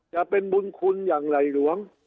จะเป็นบุญคุณอย่างไหล่หลวง